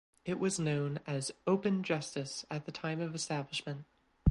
It was known as Open Justice at the time of establishment.